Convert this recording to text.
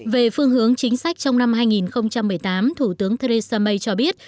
về phương hướng chính sách trong năm hai nghìn một mươi tám thủ tướng theresa may cho biết